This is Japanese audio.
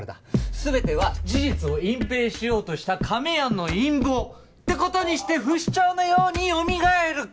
全ては事実を隠蔽しようとした亀やんの陰謀！ってことにして不死鳥のようによみがえる！